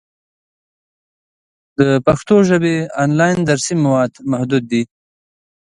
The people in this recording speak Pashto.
د پښتو ژبې آنلاین درسي مواد محدود دي.